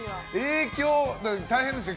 影響は大変ですよ。